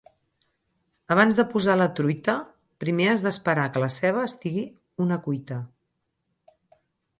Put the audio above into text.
Abans de posar la truita, primer has d'esperar que la ceba estigui una cuita.